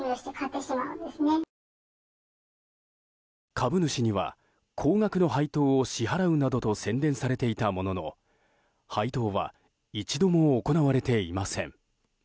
株主には高額の配当を支払うなどと宣伝されていたものの配当は一度も行われていません。